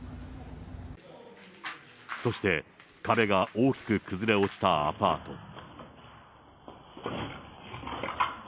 そして壁が大きく崩れ落ちたアパート。